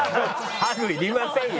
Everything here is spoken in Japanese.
ハグいりませんよ。